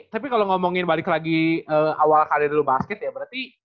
tapi kalau ngomongin balik lagi awal karir dulu basket ya berarti